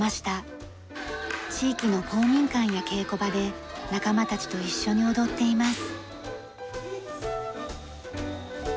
地域の公民館や稽古場で仲間たちと一緒に踊っています。